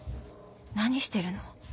何してるの？